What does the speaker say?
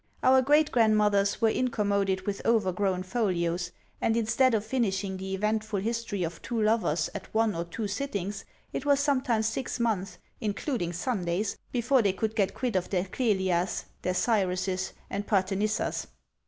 Our great grandmothers were incommoded with overgrown folios; and, instead of finishing the eventful history of two lovers at one or two sittings, it was sometimes six months, including Sundays, before they could get quit of their Clelias, their Cyrus's, and Parthenissas.